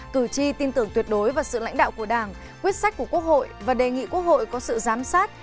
cử tri tin tưởng tuyệt đối vào sự lãnh đạo của đảng quyết sách của quốc hội và đề nghị quốc hội có sự giám sát